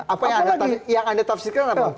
apa yang anda tafsirkan apa